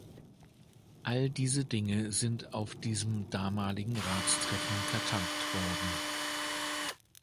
All diese Dinge sind auf diesem damaligen Ratstreffen vertagt worden.